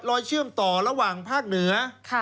เชื่อมต่อระหว่างภาคเหนือ